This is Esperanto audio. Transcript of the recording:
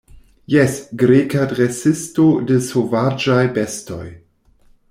Jes, Greka dresisto de sovaĝaj bestoj.